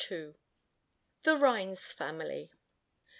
THE RHINES FAMILY.